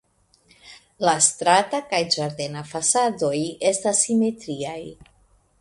La strata kaj ĝardena fasadoj estas simetriaj.